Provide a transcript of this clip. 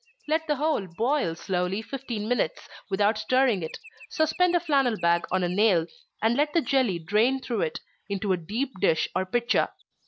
Let the whole boil slowly fifteen minutes, without stirring it suspend a flannel bag on a nail, and let the jelly drain through it, into a deep dish or pitcher.